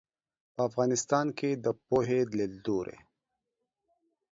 په افغانستان کې د پوهنې لیدلورى